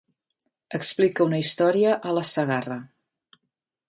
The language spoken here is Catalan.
Explica una història a la Segarra.